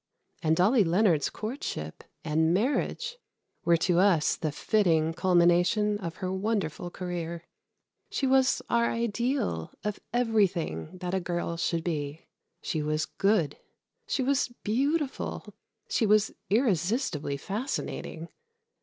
And Dolly Leonard's courtship and marriage were to us the fitting culmination of her wonderful career. She was our ideal of everything that a girl should be. She was good, she was beautiful, she was irresistibly fascinating.